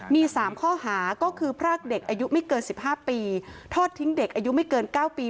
มี๓ข้อหาก็คือพรากเด็กอายุไม่เกิน๑๕ปีทอดทิ้งเด็กอายุไม่เกิน๙ปี